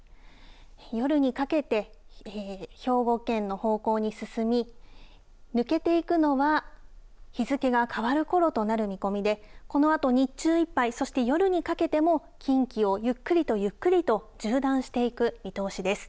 夜にかけて、兵庫県の方向に進み、抜けていくのは日付が変わるころとなる見込みで、このあと日中いっぱいそして夜にかけても近畿をゆっくりとゆっくりと縦断していく見通しです。